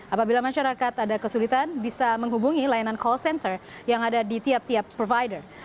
apabila masyarakat ada kesulitan bisa menghubungi layanan call center yang ada di tiap tiap provider